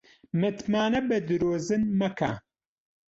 متمانە بە درۆزن مەکە